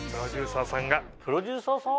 プロデューサーさん？